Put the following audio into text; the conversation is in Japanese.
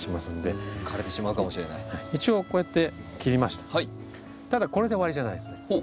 ただこれで終わりじゃないんですね。